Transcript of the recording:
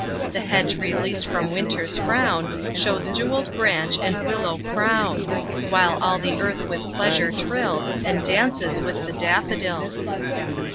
The hedge released from Winter's frown Shews jewelled branch and willow crown; While all the earth with pleasure trills, And 'dances with the daffodils.